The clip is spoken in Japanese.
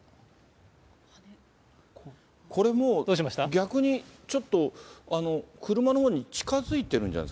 これも、逆にちょっと、車のほうに、近づいてるんじゃない？